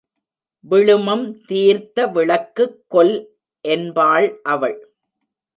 விழுமம் தீர்த்த விளக்குக் கொல் என்பாள் அவள்.